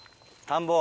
田んぼ。